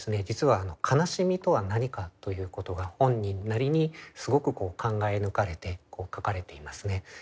実は「悲しみとは何か」ということが本人なりにすごく考え抜かれて書かれていますね。